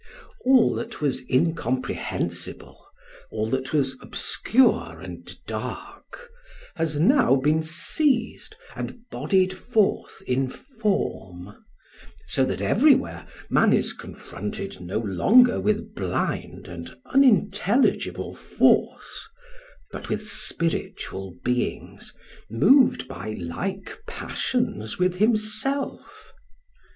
All that was incomprehensible, all that was obscure and dark, has now been seized and bodied forth in form, so that everywhere man is confronted no longer with blind and unintelligible force, but with spiritual beings moved by like passions with himself.